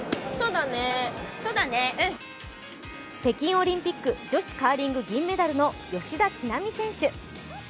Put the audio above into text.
北京オリンピック女子カーリング銀メダルの吉田知那美選手。